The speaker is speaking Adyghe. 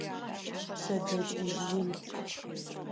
Пшъэдэкӏыжь ин.